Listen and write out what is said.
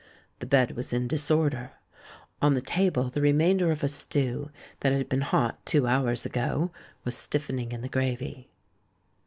The bed was in disorder; on the table the remainder of a stew that had been hot two hours ago was stiffening in the gravy.